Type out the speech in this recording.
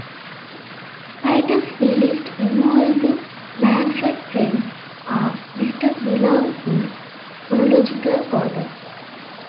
Titles released involving Manfred Trenz are listed below in chronological order.